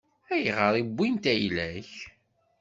Ayɣer i wwint ayla-k?